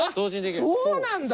そうなんだ！